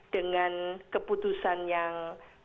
dengan keputusan yang